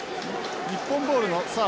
日本ボールのさあ